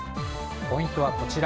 ポイントはこちら。